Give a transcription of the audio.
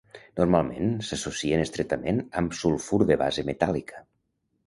Normalment s'associen estretament amb sulfur de base metàl·lica.